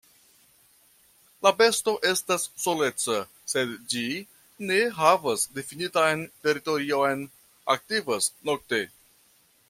La besto estas soleca, sed ĝi ne havas difinitan teritorion, aktivas nokte.